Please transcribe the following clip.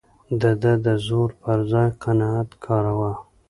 ده د زور پر ځای قناعت کاراوه.